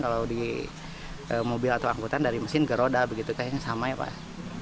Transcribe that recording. kalau di mobil atau angkutan dari mesin ke roda begitu kayaknya sama ya pak